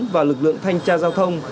và lực lượng thanh tra giao thông